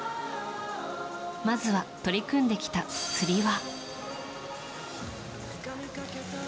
まずは、取り組んできたつり輪。